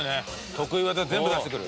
得意技全部出してくる。